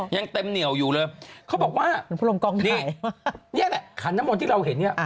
ยังเต็มเหนียวอยู่เลยเขาบอกว่านี่นี่แหละขันน้ำมนต์ที่เราเห็นเนี่ย